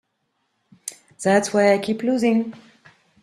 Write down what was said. That's why I keep losing.